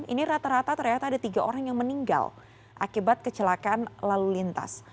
ini rata rata ternyata ada tiga orang yang meninggal akibat kecelakaan lalu lintas